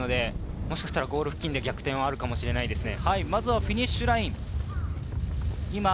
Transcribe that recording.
もしかしたらゴール付近で逆転があるかもしれませんね。